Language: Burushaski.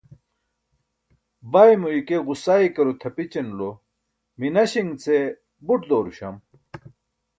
baymo ike ġusaykaro tʰapićanulo minaśiṅ ce buṭ dooruśam